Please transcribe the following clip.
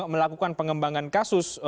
melakukan pengembangan kasus